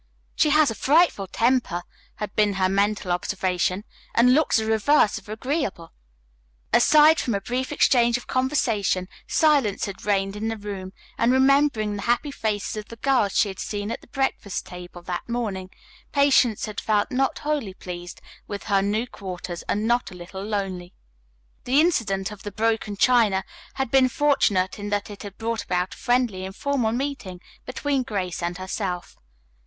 "She has a frightful temper," had been her mental observation, "and looks the reverse of agreeable." Aside from a brief exchange of conversation, silence had reigned in the room, and remembering the happy faces of the girls she had seen at the breakfast table that morning, Patience had felt not wholly pleased with her new quarters and not a little lonely. The incident of the broken china had been fortunate in that it had brought about a friendly, informal meeting between Grace and herself.